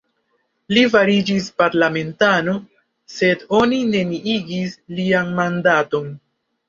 Li fariĝis parlamentano, sed oni neniigis lian mandaton.